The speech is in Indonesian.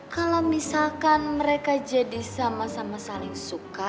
kalau misalkan mereka jadi sama sama saling suka